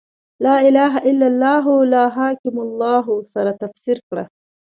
«لا اله الا الله» له «لا حاکم الا الله» سره تفسیر کړه.